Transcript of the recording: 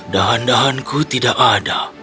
dahan dahanku tidak ada